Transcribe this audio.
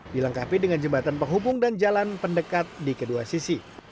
dilengkapi dengan jembatan penghubung dan jalan pendekat di kedua sisi